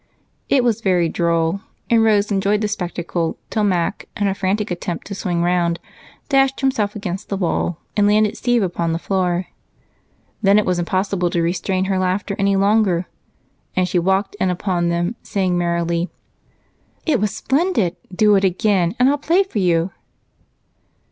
It was very droll, and Rose enjoyed the spectacle till Mac, in a frantic attempt to swing around, dashed himself against the wall and landed Steve upon the floor. Then it was impossible to restrain her laughter any longer and she walked in upon them, saying merrily: "It was splendid! Do it again, and I'll play for you."